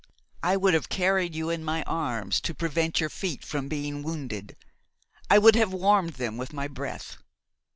I would have carried you in my arms to prevent your feet from being wounded; I would have warmed them with my breath.